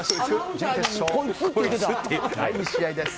準決勝第２試合です。